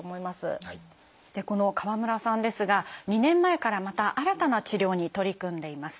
この川村さんですが２年前からまた新たな治療に取り組んでいます。